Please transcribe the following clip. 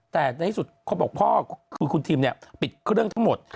แต่ในที่สุดเขาบอกพ่อคือคุณทิมเนี่ยปิดเครื่องทั้งหมด